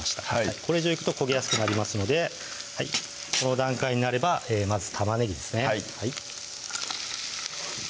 これ以上いくと焦げやすくなりますのでこの段階になればまず玉ねぎですね